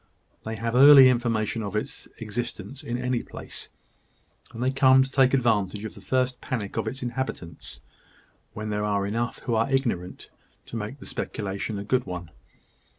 They have early information of its existence in any place; and they come to take advantage of the first panic of the inhabitants, where there are enough who are ignorant to make the speculation a good one.